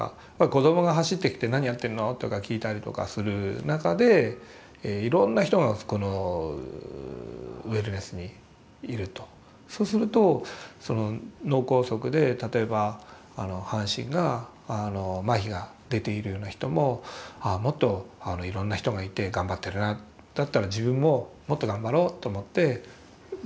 子どもが走ってきて「何やってるの？」とか聞いたりとかする中でいろんな人がこのウェルネスにいるとそうするとその脳梗塞で例えば半身が麻痺が出ているような人ももっといろんな人がいて頑張ってるなだったら自分ももっと頑張ろうと思ってまあ励まされるというか。